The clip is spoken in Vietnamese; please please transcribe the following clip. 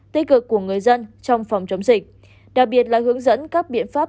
tích cực của người dân trong phòng chống dịch đặc biệt là hướng dẫn các biện pháp